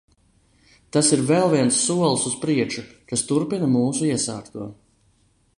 Tas ir vēl viens solis uz priekšu, kas turpina mūsu iesākto.